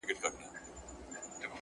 ماته زارۍ كوي چي پرېميږده ه ياره _